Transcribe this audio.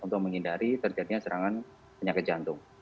untuk menghindari terjadinya serangan penyakit jantung